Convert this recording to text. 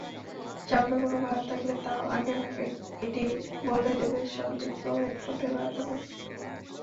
সামনে কোনো বাধা থাকলে তা-ও আগেভাগে এটি বলে দেবে সংযুক্ত হেডফোনের মাধ্যমে।